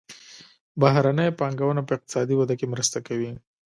بهرنۍ پانګونه په اقتصادي وده کې مرسته کوي.